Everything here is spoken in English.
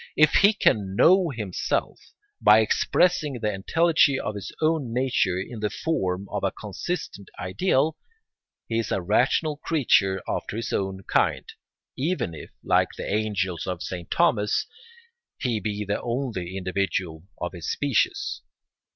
If he can know himself by expressing the entelechy of his own nature in the form of a consistent ideal, he is a rational creature after his own kind, even if, like the angels of Saint Thomas, he be the only individual of his species.